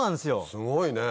すごいね。